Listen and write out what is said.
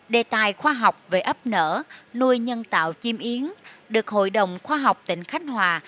đề tài khoa học về ấp nở nuôi nhân tạo chim yến được hội đồng khoa học tỉnh khánh hòa